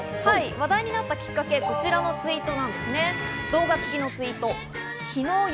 話題になったきっかけはこちらのツイートです。